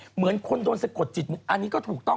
เหมือนคนโดนสะกดจิตอันนี้ก็ถูกต้อง